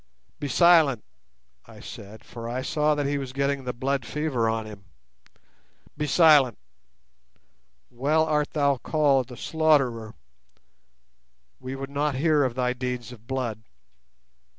"Be silent," I said, for I saw that he was getting the blood fever on him; "be silent; well art thou called the 'Slaughterer'. We would not hear of thy deeds of blood.